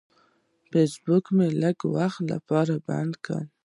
فیسبوک مې لږ وخت لپاره بند کړ.